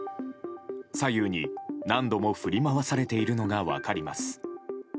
左右に何度も振り回されているのが分かります。